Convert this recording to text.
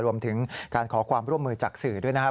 รวมถึงการขอความร่วมมือจากสื่อด้วยนะครับ